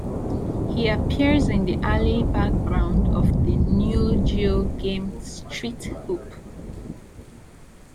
He appears in the alley background of the Neo-Geo game "Street Hoop".